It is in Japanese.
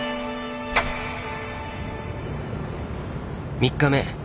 ３日目